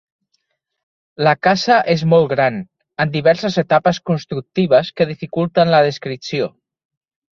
La casa és molt gran, amb diverses etapes constructives que dificulten la descripció.